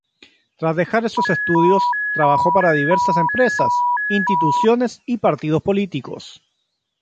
Tras dejar esos estudios, trabajó para diversas empresas, instituciones y partidos políticos.